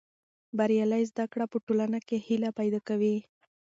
بریالۍ زده کړه په ټولنه کې هیله پیدا کوي.